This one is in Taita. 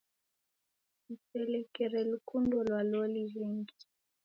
Mselekere lukundo lwa loli jhingi.